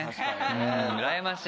うらやましい。